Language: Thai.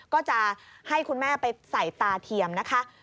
ก็จะให้คุณแม่ไปใส่ตาเทียมนะคะ